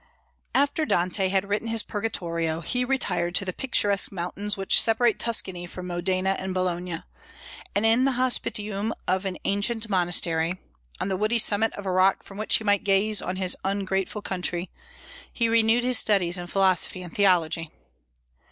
After Dante had written his Purgatorio, he retired to the picturesque mountains which separate Tuscany from Modena and Bologna; and in the hospitium of an ancient monastery, "on the woody summit of a rock from which he might gaze on his ungrateful country, he renewed his studies in philosophy and theology."